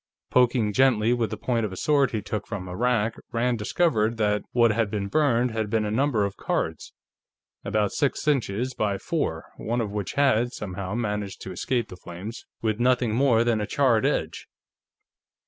Poking gently with the point of a sword he took from a rack, Rand discovered that what had been burned had been a number of cards, about six inches by four, one of which had, somehow, managed to escape the flames with nothing more than a charred edge.